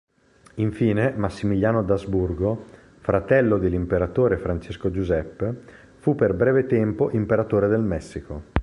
Infine Massimiliano d'Asburgo, fratello dell'imperatore Francesco Giuseppe, fu per breve tempo Imperatore del Messico.